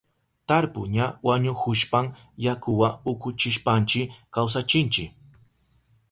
Tarpu ña wañuhushpan yakuwa ukuchishpanchi kawsachinchi.